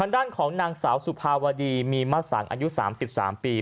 ด้านของนางสาวสุภวดีมีมาสังอายุสามสิบสามปี